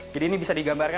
jadi ini bisa digambarkan